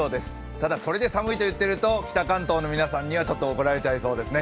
ただこれで寒いと言ってると北関東の皆さんにはちょっと怒られちゃいそうですね。